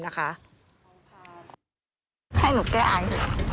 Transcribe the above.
ไปกับบ้านนอน